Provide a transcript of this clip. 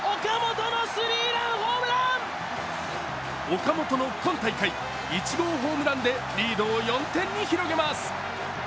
岡本の今大会１号ホームランでリードを４点に広げます。